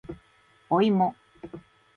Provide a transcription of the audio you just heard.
おいも